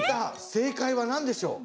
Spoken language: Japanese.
正解は何でしょう？